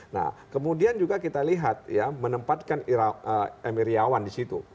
nah kemudian juga kita lihat ya menempatkan m iryawan di situ